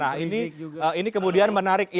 nah ini kemudian menarik